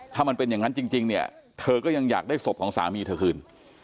ถ้ามันเป็นอย่างนั้นจริงเนี่ยเธอก็ยังอยากได้ศพของสามีเธอคืน